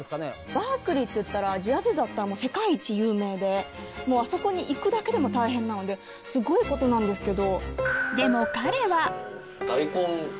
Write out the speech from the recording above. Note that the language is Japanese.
バークリーっていったらジャズだったら世界一有名であそこに行くだけでも大変なのですごいことなんですけど。